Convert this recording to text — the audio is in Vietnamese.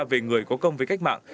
về người có công với cách mạng